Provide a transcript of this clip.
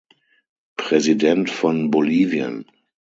Präsident von Bolivien.